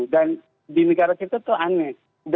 dan di negara kita itu aneh